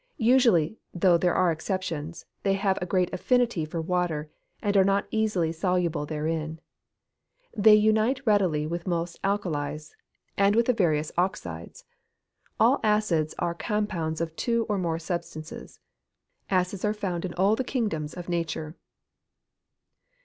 Usually (though there are exceptions) they have a great affinity for water, and are easily soluble therein; they unite readily with most alkalies, and with the various oxides. All acids are compounds of two or more substances. Acids are found in all the kingdoms of nature.